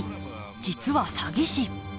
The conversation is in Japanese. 実は詐欺師。